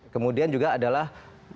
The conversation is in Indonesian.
kemudian juga adalah